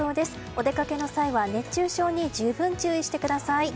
お出かけの際は熱中症に十分注意してください。